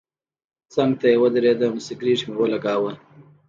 څنګ ته یې ودرېدم سګرټ مې ولګاوه.